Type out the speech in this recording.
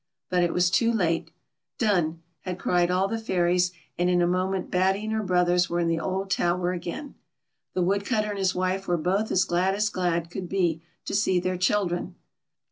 But it was too late. " Done 1 " had cried all the fairies, and in a mo ment Batt\' and her brothers were in the old tower again. The Woodcutter and his wife were both as glad as glad could be to see their children.